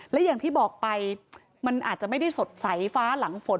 และอย่างที่บอกไปมันอาจจะไม่ได้สดใสฟ้าหลังฝน